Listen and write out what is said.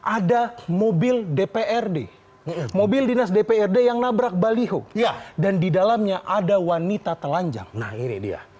ada mobil dprd mobil dinas dprd yang nabrak baliho dan di dalamnya ada wanita telanjang nah ini dia